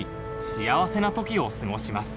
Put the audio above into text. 幸せな時を過ごします